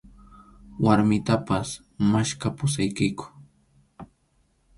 Warmitapas maskhapusaykiku.